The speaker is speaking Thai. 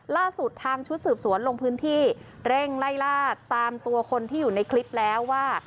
ล่าสุดทางชุดสืบสวนลงพื้นที่เร่งไล่ล่าตามตัวคนที่อยู่ในคลิปแล้วว่า